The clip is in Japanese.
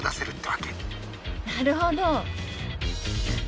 なるほど！